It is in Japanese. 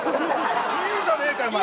いいじゃねえかよお前！